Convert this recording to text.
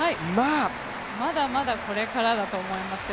まだまだこれからだと思いますよ。